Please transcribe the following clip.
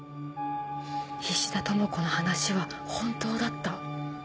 菱田朋子の話は本当だった。